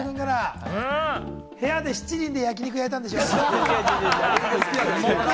部屋で七輪で焼き肉、焼いたんでしょ？